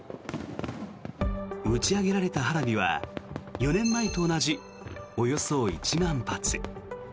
打ち上げられた花火は４年前と同じおよそ１万発。